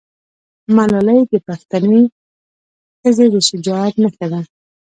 ملالۍ د پښتنې ښځې د شجاعت نښه ده.